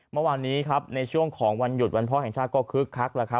เมื่อวานี้ในช่วงของวันหยุดวันพ่อแห่งชาติก็คึกคัก